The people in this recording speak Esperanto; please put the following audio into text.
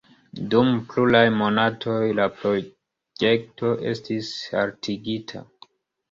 Dum pluraj monatoj la projekto estis haltigita.